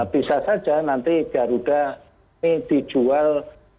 bisa saja nanti garuda ini dijual